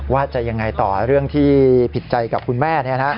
ว่าจะยังไงต่อเรื่องที่ผิดใจกับคุณแม่